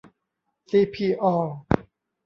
ซีพี ออลล์